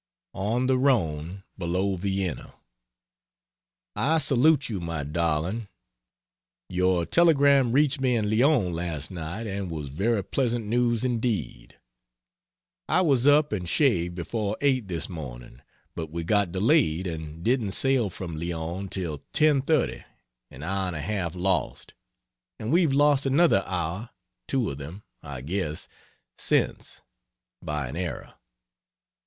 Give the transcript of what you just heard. ON THE RHONE, BELOW VIENNA. I salute you, my darling. Your telegram reached me in Lyons last night and was very pleasant news indeed. I was up and shaved before 8 this morning, but we got delayed and didn't sail from Lyons till 10.30 an hour and a half lost. And we've lost another hour two of them, I guess since, by an error.